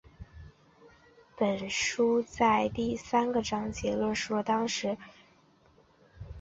本书在前三个章节论述了当时美国广大妇女的生活状态和普遍存在的心理问题。